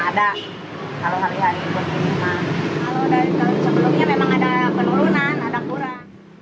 kalau dari tahun sebelumnya memang ada penurunan ada kurang